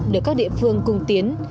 được các địa phương cung tiến